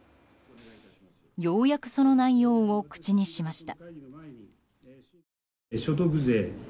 ようやくその内容を口にしました。